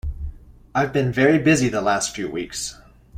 I've been very busy the last few weeks.